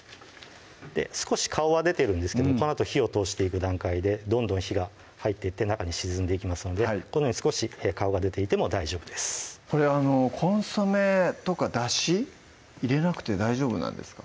少し顔は出てるんですけどこのあと火を通していく段階でどんどん火が入っていって中に沈んでいきますのでこのように少し顔が出ていても大丈夫ですこれコンソメとかだし入れなくて大丈夫なんですか？